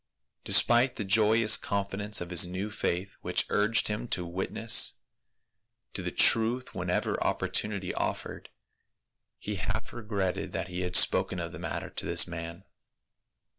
Despite the joyous confidence of his new faith, which urged him 186 PA UL. to witness to the truth whenever opportunity offered, he half regretted that he had spoken of the matter to this man.